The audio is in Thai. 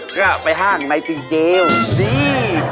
ก็ไปห้างไนที่เจียวดี